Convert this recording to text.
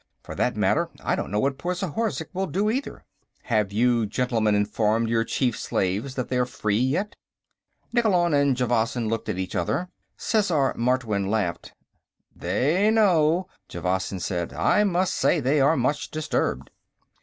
For that matter, I don't know what poor Zhorzh will do, either." "Have you gentlemen informed your chief slaves that they are free, yet?" Nikkolon and Javasan looked at each other. Sesar Martwynn laughed. "They know," Javasan said. "I must say they are much disturbed."